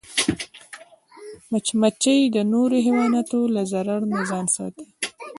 مچمچۍ د نورو حیواناتو له ضرر نه ځان ساتي